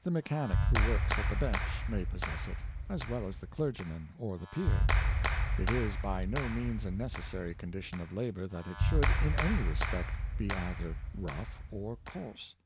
The mechanic who works at the bench may possess it, as well as the clergyman or the peer. It is by no means a necessary condition of labor that it should, in any respect, be either rough or coarse.